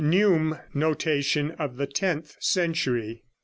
32. NEUME NOTATION OF THE TENTH CENTURY.